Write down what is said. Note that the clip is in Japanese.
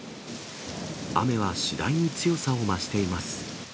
雨は次第に強さを増しています。